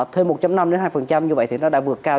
thêm một năm hai như vậy thì nó đã vượt cao